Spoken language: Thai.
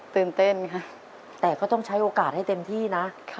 ตื่นเต้นค่ะแต่ก็ต้องใช้โอกาสให้เต็มที่นะ